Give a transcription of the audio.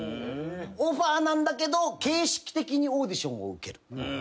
オファーなんだけど形式的にオーディションを受ける。